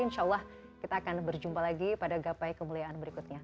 insya allah kita akan berjumpa lagi pada gapai kemuliaan berikutnya